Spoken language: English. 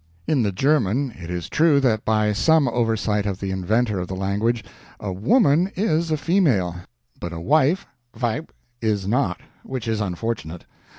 In the German it is true that by some oversight of the inventor of the language, a Woman is a female; but a Wife (Weib) is not which is unfortunate.